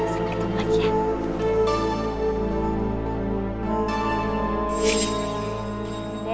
sampai ketemu lagi ya